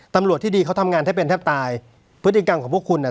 ตำรวจที่ดีเขาทำงานแทบเป็นแทบตายพฤติกรรมของพวกคุณอ่ะ